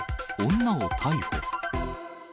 女を逮捕。